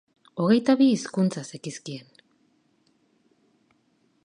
Hogeita bi hizkuntza zekizkien.